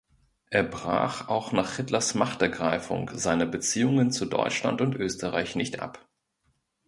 Er brach auch nach Hitlers Machtergreifung seine Beziehungen zu Deutschland und Österreich nicht ab.